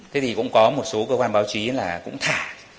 thế thì cũng có một số cơ quan báo chí là cũng thả